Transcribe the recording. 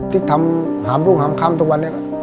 ที่ทำหามรุ่งหามค่ำทุกวันนี้